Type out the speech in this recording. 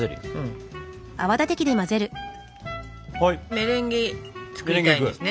メレンゲ作りたいですね。